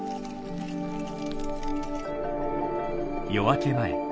夜明け前。